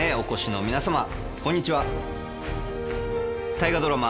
大河ドラマ